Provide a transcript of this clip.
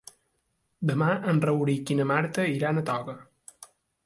Demà en Rauric i na Marta iran a Toga.